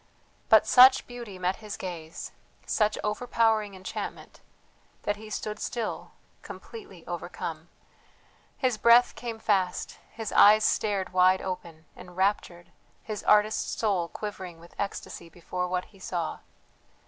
But such beauty met his gaze, such overpowering enchantment, that he stood still completely overcome. His breath came fast, his eyes stared wide open, enraptured, his artist's soul quivering with ecstasy before what he saw.